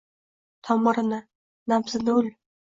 Tomirini — nabzini ul